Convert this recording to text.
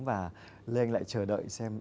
và lê anh lại chờ đợi xem